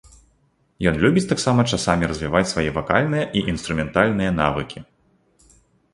Ён любіць таксама часамі развіваць свае вакальныя і інструментальныя навыкі.